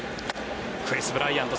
クリス・ブライアント。